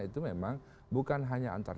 itu memang bukan hanya antar